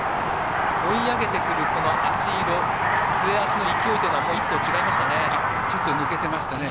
追い上げてくる脚色末脚の勢いというのは１頭抜けてましたね。